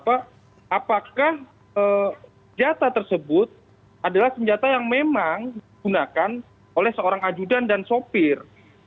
apakah senjata tersebut adalah senjata yang memang digunakan oleh seorang ajudan dan sopir